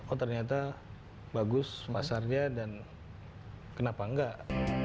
oh ternyata bagus masarnya dan kenapa nggak